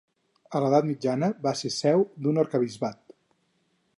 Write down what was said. A l'edat mitjana va ser seu d'un arquebisbat.